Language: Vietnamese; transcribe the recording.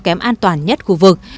không kém an toàn nhất khu vực